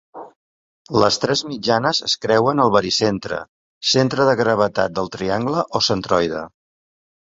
Les tres mitjanes es creuen al baricentre, centre de gravetat del triangle o centroide.